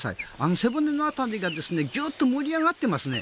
背骨の辺りがギュッと盛り上がってますね。